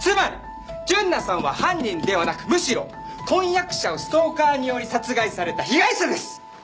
つまり純奈さんは犯人ではなくむしろ婚約者をストーカーにより殺害された被害者です！